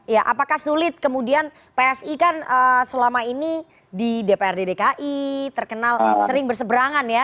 ya apakah sulit kemudian psi kan selama ini di dprd dki terkenal sering berseberangan ya